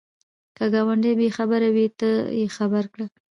که ګاونډی بې خبره وي، ته یې خبر کړه